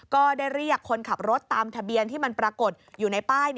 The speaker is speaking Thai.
ก็ได้เรียกคนขับรถตามทะเบียนที่มันปรากฏอยู่ในป้าย